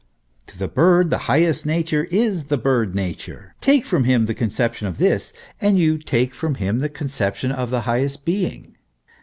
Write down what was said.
To the bird the highest nature is the bird nature ; take from him the conception of this, and you take from him the conception of the highest being.